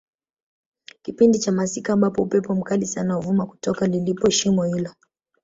kipindi cha masika ambapo upepo mkali sana huvuma kutoka lilipo shimo hilo